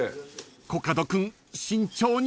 ［コカド君慎重に！］